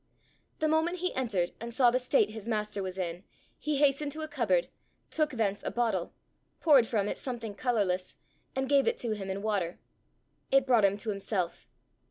The moment he entered, and saw the state his master was in, he hastened to a cupboard, took thence a bottle, poured from it something colourless, and gave it to him in water. It brought him to himself.